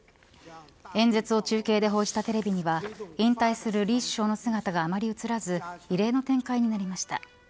演説を中継で報じたテレビには引退する李首相の姿があまり映らず異例の展開となりました。